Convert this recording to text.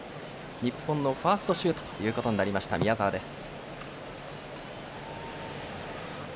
日本のファーストシュートということになりました宮澤です。